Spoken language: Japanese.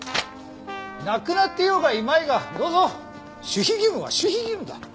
亡くなっていようがいまいがどうぞ守秘義務は守秘義務だ。